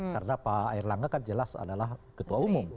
karena pak erlangga kan jelas adalah ketua umum